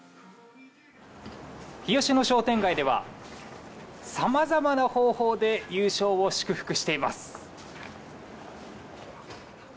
日吉の商店街ではさまざまな方法で優勝を祝福しています。